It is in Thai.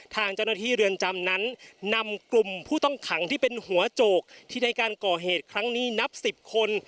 ทางเจ้าหน้าที่เรือนจำนั้นนำกลุ่มผู้ต้องขังที่เป็นหัวโจกที่ในการก่อเหตุครั้งนี้นับ๑๐คน